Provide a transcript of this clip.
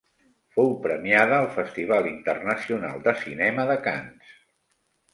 Fou premiada al Festival Internacional de Cinema de Canes.